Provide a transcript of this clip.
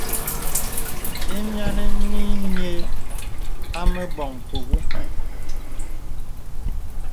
Ìmìanə̀ mì nyə̀ à mə bɔŋ mpùŋə̀.